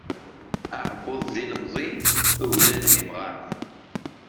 Aɛebbuḍ d ilemẓi, uglan d imɣaṛen.